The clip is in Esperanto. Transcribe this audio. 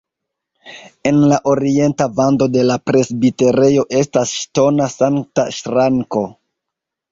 En la orienta vando de la presbiterejo estas ŝtona sankta ŝranko.